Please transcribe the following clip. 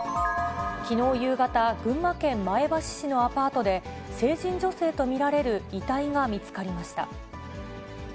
きのう夕方、群馬県前橋市のアパートで、成人女性と見られる遺体が見つかりました。